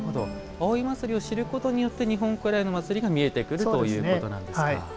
葵祭を知ることによって日本古来の祭りが見えてくるということなんですか。